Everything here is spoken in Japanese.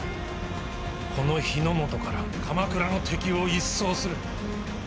この日本から鎌倉の敵を一掃する。